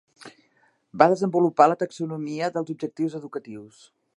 Va desenvolupar la taxonomia dels objectius educatius.